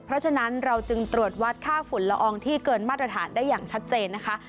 เพราะฉะนั้นเราจึงตรวจวัดค่าฝุ่นละอองที่เกินมาตรฐานได้อย่างชัดเจนนะคะ